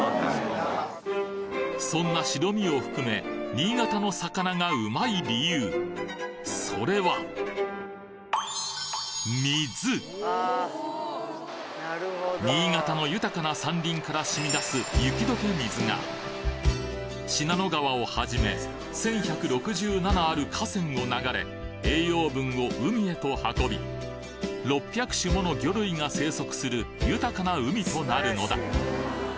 そんな白身を含め新潟の魚がうまい理由それは新潟の豊かな山林から染み出す雪解け水が信濃川をはじめ１，１６７ある河川を流れ栄養分を海へと運び６００種もの魚類が生息する豊かな海となるのだ